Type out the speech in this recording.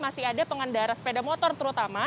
masih ada pengendara sepeda motor terutama